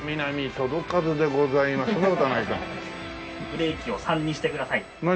ブレーキを３にしてください。何？